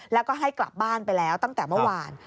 แล้วก็ให้กลับบ้านไปแล้วตั้งแต่เมื่อวาน